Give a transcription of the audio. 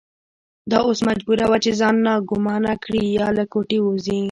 دا اوس مجبوره وه چې ځان ناګومانه کړي یا له کوټې ووځي.